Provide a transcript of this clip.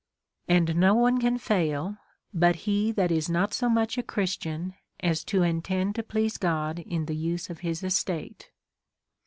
And no one can fail, but he that is not so much a Christian as to intend to please God in the use of his estate.